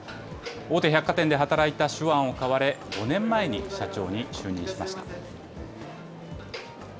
大手百貨店で働いた手腕を買われ、５年前に社長に就任しました。